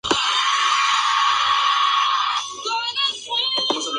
Este estudio incluye la descripción, clasificación e interpretación de este registro.